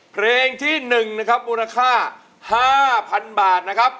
เพลงที่๑นะครับมูลค่า๕๐๐๐บาทนะครับ